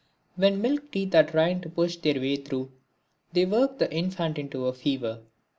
When milk teeth are trying to push their way through, they work the infant into a fever.